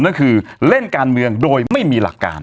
นั่นคือเล่นการเมืองโดยไม่มีหลักการ